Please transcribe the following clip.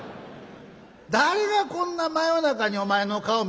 誰がこんな真夜中にお前の顔見るねん。